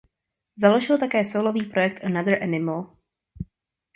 Založil také sólový projekt Another Animal.